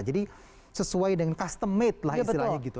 jadi sesuai dengan custom made lah istilahnya gitu